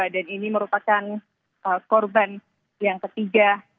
dan ini merupakan korban yang ketiga